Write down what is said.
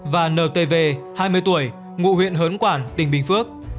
và ntv hai mươi tuổi ngụ huyện hớn quản tỉnh bình phước